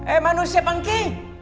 eh manusia pengking